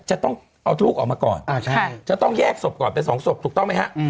จะต้องเอาลูกออกมาก่อนจะต้องแยกศพก่อนเป็นสองศพถูกต้องไหมฮะ